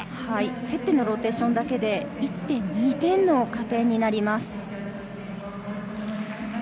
フェッテのローテーションだけで１．２点の加点になります。